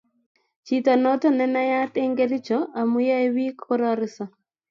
Chito noto nenayat eng Kericho amu yoe biik korariso